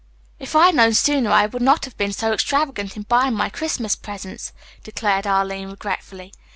"If I had known sooner I would not have been so extravagant in buying my Christmas presents," declared Arline regretfully.